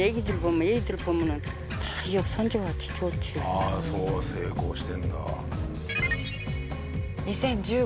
ああそう成功してるんだ。